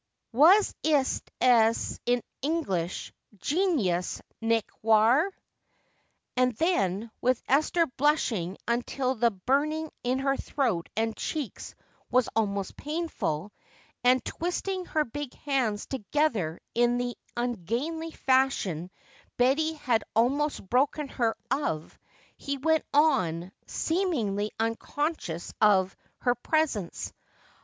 Was ist es in English, genius, nicht wahr?" And then, with Esther blushing until the burning in her throat and cheeks was almost painful, and twisting her big hands together in the ungainly fashion Betty had almost broken her of, he went on, seemingly unconscious of her presence.